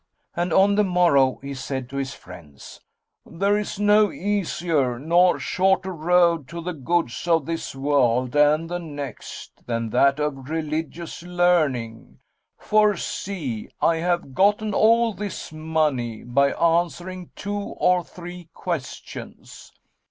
And on the morrow, he said to his friends, "There is no easier nor shorter road to the goods of this world and the next, than that of religious learning; for, see, I have gotten all this money by answering two or three questions."